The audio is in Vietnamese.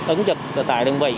ứng trực tại đơn vị